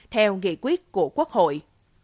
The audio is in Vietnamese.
theo nghị quyết của quốc hội